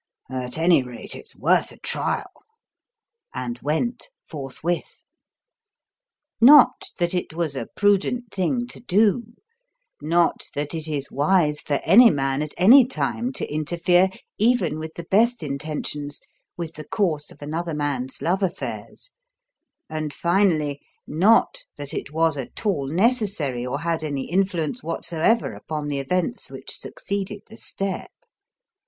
"At any rate it's worth a trial." And went, forthwith. Not that it was a prudent thing to do; not that it is wise for any man at any time to interfere, even with the best intentions, with the course of another man's love affairs; and, finally, not that it was at all necessary or had any influence whatsoever upon the events which succeeded the step.